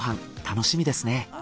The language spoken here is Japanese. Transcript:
楽しみですね。